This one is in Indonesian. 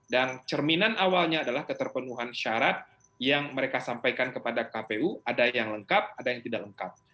dan cerminan awalnya adalah keterpenuhan syarat yang mereka sampaikan kepada kpu ada yang lengkap ada yang tidak lengkap